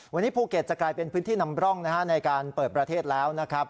วันนี้ภูเก็ตจะกลายเป็นพื้นที่นำร่องในการเปิดประเทศแล้วนะครับ